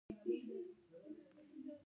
خوسکي بيا هم زموږ د چپلکو سره لوبې کوي.